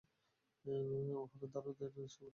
উহারা ধারণা, ধ্যান ও সমাধির তুলনায় বহিরঙ্গ।